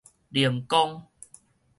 靈光